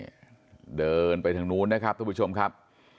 นี่เดินไปทางนู้นนะครับทุกผู้ชมครับ